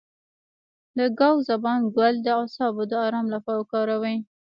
د ګاو زبان ګل د اعصابو د ارام لپاره وکاروئ